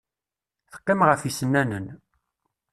Teqqim ɣef yisennanen.